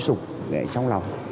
sụp trong lòng